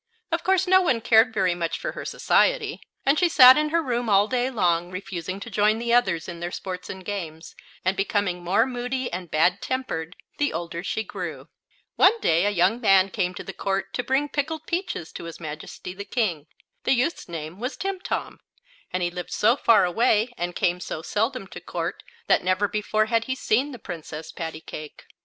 Of course no one cared very much for her society, and she sat in her room all day long, refusing to join the others in their sports and games, and becoming more moody and bad tempered the older she grew. One day a young man came to the court to bring pickled peaches to his Majesty, the King. The youth's name was Timtom, and he lived so far away and came so seldom to court that never before had he seen the Princess Pattycake.